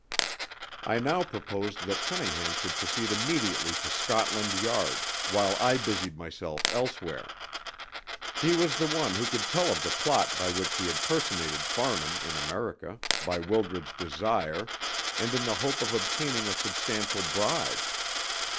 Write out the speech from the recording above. I now proposed that Cunningham should proceed immediately to Scotland Yard, while I busied myself elsewhere. He was the one who could tell of the plot by which he had personated Farnham in America, by Wildred's desire, and in the hope of obtaining a substantial bribe.